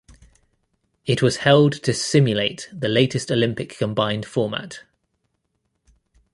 It was held to simulate the latest Olympic combined format.